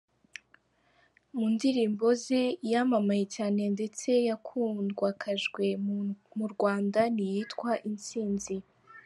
Mu ndirimbo ze, iyamamaye cyane ndetse yakundwakajwe mu Rwanda ni iyitwa ‘Intsinzi’.